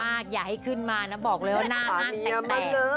อย่าให้ขึ้นมานะบอกเลยว่าหน้าน่างแปลกแปลกแปลกแปลก